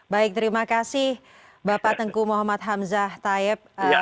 baik terima kasih bapak tengku muhammad hamzah tayeb